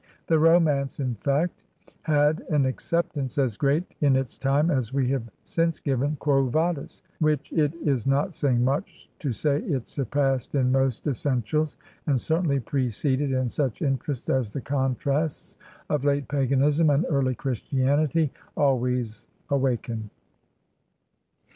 The romance, in fact, had an acceptance as great in its time as we have since given ''Quo Vadis," which it is not saying much to say it surpassed in most essen tials, and certainly preceded in such interest as the contrasts of late paganism and early Christianity . always awaken.